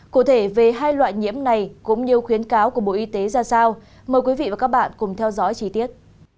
cụ thể về hai loại nhiễm này cũng như khuyến cáo của bộ y tế ra sao mời quý vị và các bạn cùng theo dõi chi tiết